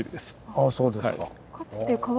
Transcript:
あぁそうですか。